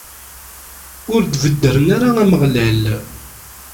Ur d-beddren ara Ameɣlal.